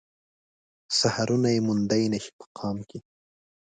سحرونه يې موندای نه شي په قام کې